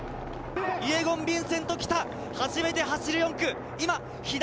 イェゴン・ヴィンセント、来た、初めて走る４区。